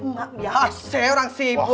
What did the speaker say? nggak biasa orang sibuk